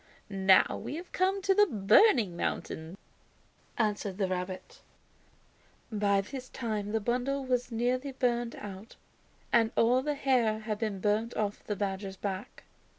"Now we have come to the 'Burning Mountain,'" answered the rabbit. By this time the bundle was nearly burned out and all the hair had been burned off the badger's back.